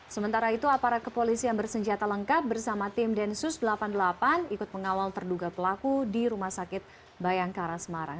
sementara itu aparat kepolisian bersenjata lengkap bersama tim densus delapan puluh delapan ikut mengawal terduga pelaku di rumah sakit bayangkara semarang